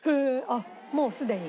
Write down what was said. あっもうすでに。